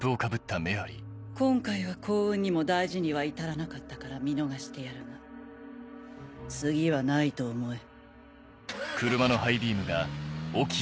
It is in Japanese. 今回は幸運にも大事には至らなかったから見逃してやるが次はないと思え。